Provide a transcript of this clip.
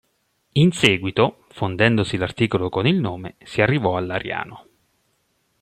In seguito, fondendosi l'articolo con il nome, si arrivò a Lariano.